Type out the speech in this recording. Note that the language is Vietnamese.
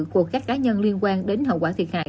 của các cá nhân liên quan đến hậu quả thiệt hại